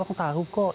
orang tahu kok